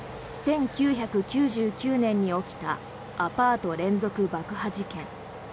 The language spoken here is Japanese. １９９９年に起きたアパート連続爆破事件。